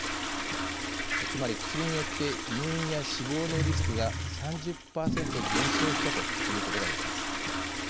つまり、薬によって入院や死亡のリスクが３０％減少したと見ることができます。